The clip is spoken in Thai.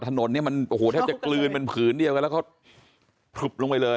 ถนนเนี่ยมันโอ้โหแทบจะกลืนเป็นผืนเดียวกันแล้วเขาผลึบลงไปเลย